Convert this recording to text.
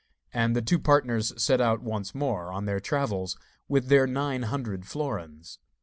And the two partners set out once more on their travels, with their nine hundred florins.